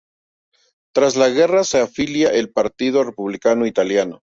Tras la guerra se afilia al Partido Republicano Italiano.